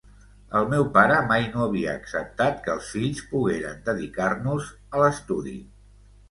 El meu pare mai no havia acceptat que els fills poguérem dedicar-nos a l’estudi...